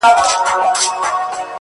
ژړا مي وژني د ژړا اوبـو تـه اور اچـوي ـ